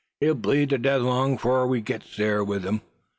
He'll bleed tuh death long 'foah we gits thar with 'im.